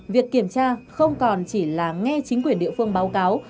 việc kiểm tra không còn chỉ là nghe chính quyền địa phương báo cáo